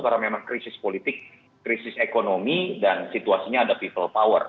karena memang krisis politik krisis ekonomi dan situasinya ada people power